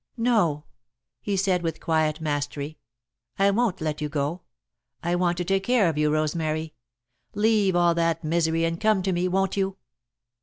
"No," he said, with quiet mastery, "I won't let you go. I want to take care of you, Rosemary. Leave all that misery and come to me, won't you?"